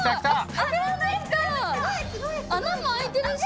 穴もあいてるし！